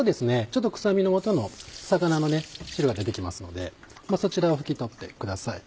ちょっと臭みのもとの魚の汁が出て来ますのでそちらを拭き取ってください。